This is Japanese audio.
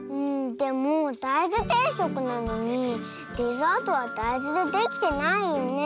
でもだいずていしょくなのにデザートはだいずでできてないよね。